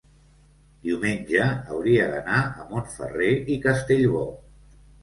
diumenge hauria d'anar a Montferrer i Castellbò.